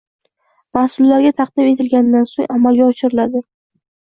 Mas’ullarga taqdim etilganidan so‘ng amalga oshiriladi.